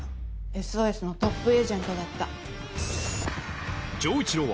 「ＳＯＳ」のトップエージェントだった。